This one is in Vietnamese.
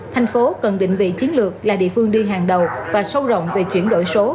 thành phố cần định vị chiến lược là địa phương đi hàng đầu và sâu rộng về chuyển đổi số